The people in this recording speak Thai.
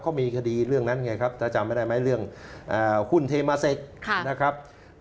ก็มีกสดีเรื่องนั้นไงครับถ้าจำไม่ได้เรื่องคุณเทมาร์เซกนะครับ